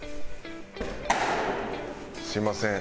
すみません。